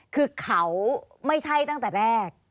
คือเขาไม่ใช่ตั้งแต่แรก